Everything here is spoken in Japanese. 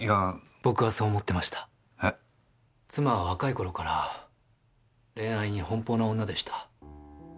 妻は若い頃から恋愛に奔放な女でした。